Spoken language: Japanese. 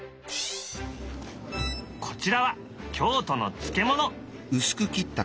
こちらは京都の漬物。